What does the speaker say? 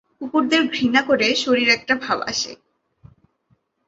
কুকুরদের ঘৃণা করে শরীর একটা ভাব আসে।